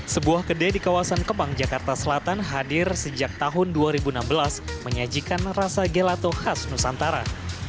sebuah kedai di kawasan kemang jakarta selatan hadir sejak tahun dua ribu enam belas menyajikan rasa gelato khas nusantara